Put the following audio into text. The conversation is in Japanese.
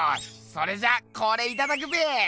それじゃあこれいただくべ！